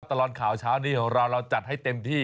ตลอดข่าวเช้านี้ของเราเราจัดให้เต็มที่